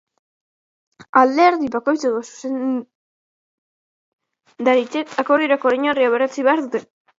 Alderdi bakoitzeko zuzendaritzek akordiorako oinarria berretsi behar dute.